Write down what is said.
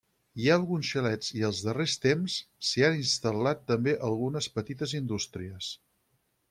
Hi ha alguns xalets i als darrers temps s'hi han instal·lat també algunes petites indústries.